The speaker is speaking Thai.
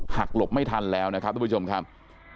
หลบไม่ทันแล้วนะครับทุกผู้ชมครับ